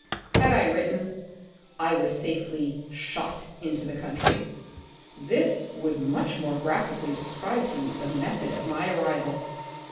Had I written — I was safely shot into the country — this would much more graphically describe to you the method of my arrival.